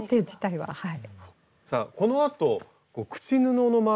はい。